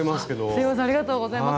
すみませんありがとうございます。